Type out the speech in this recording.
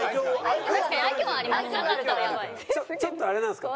確かにちょっとあれなんですか？